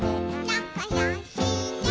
「なかよしね」